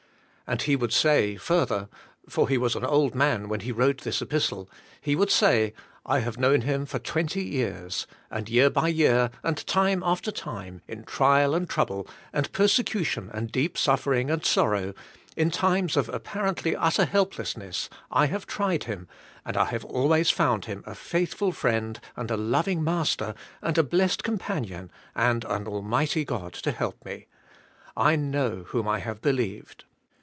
And he would say further, for he was an old man when he wrote this epistle, he would say, "I have known Him for twenty years, and year by year and time after time, in trial and trouble and persecution and deep suffering and sorrow, in times of appar ently utter helplessness I have tried Him and I have always found Him a faithful friend and a loving* Master and a blessed Companion and an Almig hty God to help me. I know whom I have believed."